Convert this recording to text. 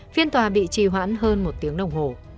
phiên tòa bị trì hoãn hơn một tiếng đồng hồ